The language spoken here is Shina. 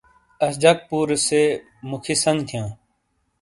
آش جک پورےسے موکھی سنگ تھیاں۔